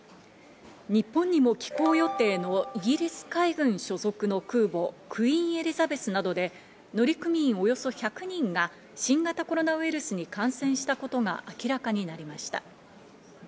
日本にも寄港予定のイギリス海軍所属の空母クイーン・エリザベスなどで乗組員およそ１００人が新型コロナウイルスに感染したことが明らかになりました。